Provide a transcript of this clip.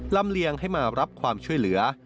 ลำเลียงให้มารับความช่วยเหลือ